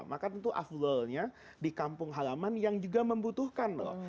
maka tentu afdolnya di kampung halaman yang juga membutuhkan loh